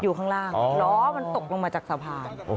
ข้างล่างล้อมันตกลงมาจากสะพาน